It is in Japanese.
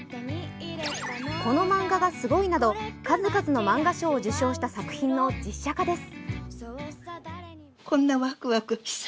「このマンガがすごい！」など数々の漫画賞を受賞した作品の実写化です。